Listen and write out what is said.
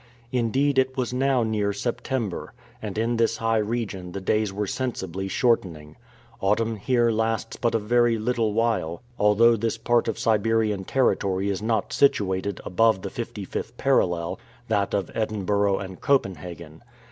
Indeed it was now near September, and in this high region the days were sensibly shortening. Autumn here lasts but a very little while, although this part of Siberian territory is not situated above the fifty fifth parallel, that of Edinburgh and Copenhagen.